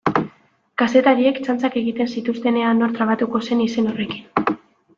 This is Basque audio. Kazetariek txantxak egiten zituzten ea nor trabatuko zen izen horrekin.